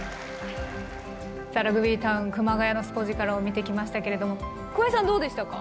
さあラグビータウン熊谷のスポヂカラを見てきましたけれども桑井さんどうでしたか？